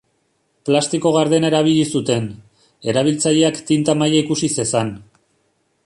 Plastiko gardena erabili zuten, erabiltzaileak tinta maila ikus zezan.